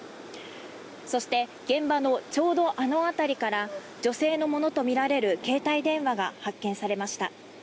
そして現場のちょうどあの辺りから女性のものとみられる携帯電話が発見されました。